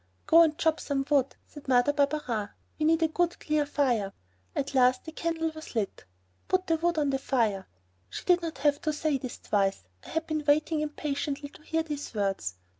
"Go and chop some wood," Mother Barberin said; "we need a good clear fire." At last the candle was lit. "Put the wood on the fire!" She did not have to say this twice; I had been waiting impatiently to hear these words.